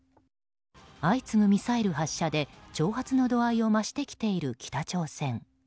相次ぐミサイル発射で挑発の度合いを増してきている北朝鮮。